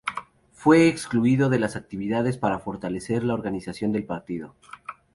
Fue excluido de las actividades para fortalecer la organización del partido.